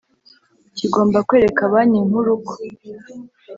kigomba kwereka Banki Nkuru k